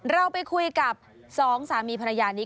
เราไปคุยกับสองสามีภรรยานี้